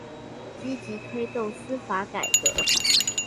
積極推動司法改革